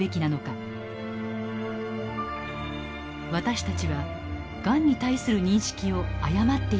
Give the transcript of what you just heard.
私たちはがんに対する認識を誤っていたのではないか。